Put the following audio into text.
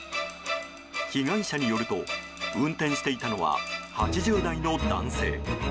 被害者によると運転していたのは８０代の男性。